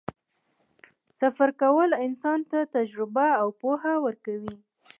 سفر کول انسان ته تجربه او پوهه ورکوي.